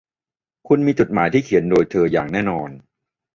คุณมีจดหมายที่เขียนโดยเธออย่างแน่นอน